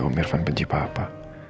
om irfan benci papa